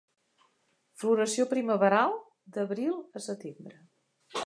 Floració primaveral, d'abril a setembre.